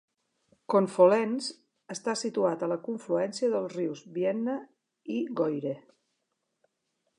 Confolens està situat a la confluència dels rius Vienne i Goire.